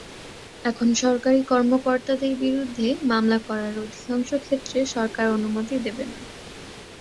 এখন সরকারি কর্মকর্তাদের বিরুদ্ধে মামলা করার অধিকাংশ ক্ষেত্রে সরকার অনুমতি দেবে না।